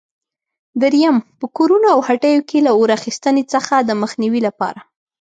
درېیم: په کورونو او هټیو کې له اور اخیستنې څخه د مخنیوي لپاره؟